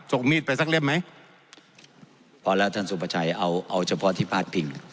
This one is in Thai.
มีดไปสักเล่มไหมพอแล้วท่านสุภาชัยเอาเอาเฉพาะที่พาดพิง